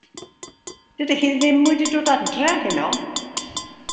Dydi hi ddim wedi dod adra heno.